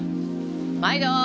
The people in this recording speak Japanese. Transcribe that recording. まいどー！